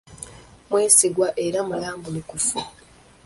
Mwesigwa era mulambulukufu.